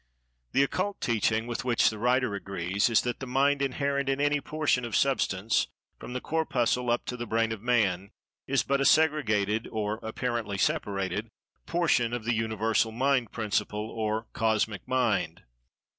The Occult Teaching, with which the writer agrees, is that the "Mind" inherent in any portion of substance, from the Corpuscle up to the Brain of Man, is but a segregated (or apparently separated) portion of the Universal Mind principle, or Cosmic Mind.